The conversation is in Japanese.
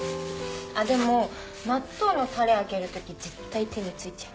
あっでも納豆のタレ開ける時絶対手に付いちゃう。